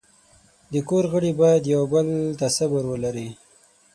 د کور غړي باید یو بل ته صبر ولري.